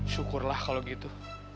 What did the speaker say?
syukurlah kalau gitu